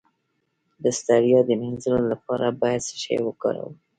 د ستړیا د مینځلو لپاره باید څه شی وکاروم؟